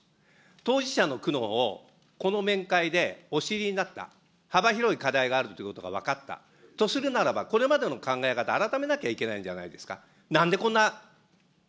当事者の苦悩を、この面会でお知りになった、幅広い課題があるということが分かった、とするならば、これまでの考え方、改めなきゃいけないんじゃないですか。